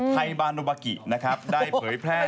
ไทยบาโนบากินะครับได้เผยแพร่